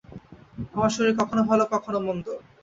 আমার শরীর কখনও ভাল, কখনও মন্দ।